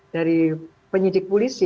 dari penyidik polisi